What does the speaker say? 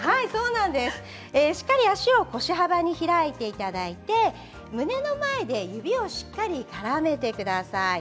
しっかり足を腰幅に開いていただいて胸の前で指をしっかり絡めてください。